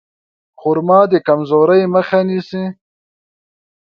خرما د کمزورۍ مخه نیسي.